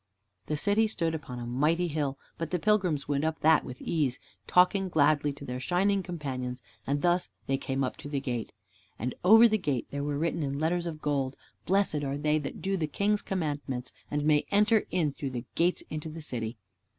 The City stood upon a mighty hill, but the pilgrims went up that with ease, talking gladly to their shining companions, and thus they came up to the gate. And over the gate there were written in letters of gold "Blessed are they that do the King's Commandments and may enter in through the gates into the City."